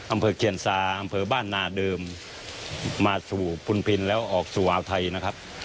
อำเภอเคียนซาอำเภอบ้านนาเดิมมาสู่พุนพินแล้วออกสู่อ่าวไทยนะครับ